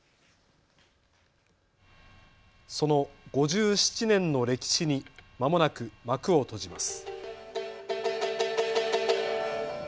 その５７年の歴史にまもなく幕を閉じます。